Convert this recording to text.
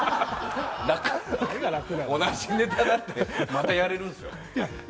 同じネタだってまだやれるんですよ。